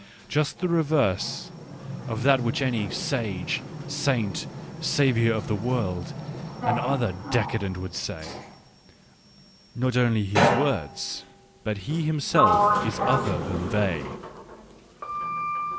Just the reverse of that which any " Sage," " Saint," " Saviour of the world," and other decadent would say. ... Not only his words, but he himself is other than they.